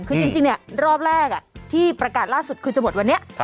คือจริงรอบแรกที่ประกาศล่าสุดคือจะหมดวันนี้